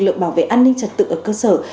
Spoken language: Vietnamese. lực lượng bảo vệ an ninh trật tự ở cơ sở